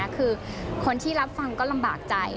คือคนที่รับชื่อข้อนร่ำบากใจ